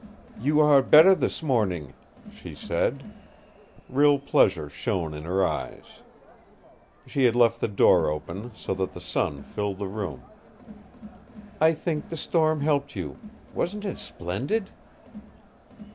"You are better this morning," she said. Real pleasure shone in her eyes. She had left the door open, so that the sun filled the room. "I think the storm helped you. Wasn't it splendid?"